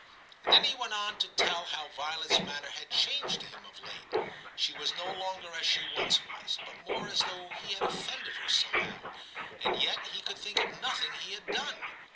And then he went on to tell how Violet s manner had changed to him of late. She was no longer as she once was, but more as though he had offended her somehow, and yet he could think of nothing he had done.